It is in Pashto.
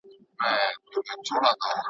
که بد مو کړي وو توبه وکړئ.